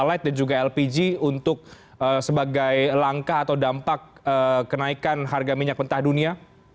light dan juga lpg untuk sebagai langkah atau dampak kenaikan harga minyak mentah dunia